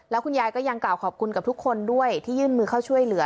แล้วคุณยายก็ยังกล่าวขอบคุณกับทุกคนด้วยที่ยื่นมือเข้าช่วยเหลือ